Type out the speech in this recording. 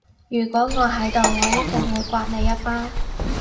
如果我喺度我一定會摑你一巴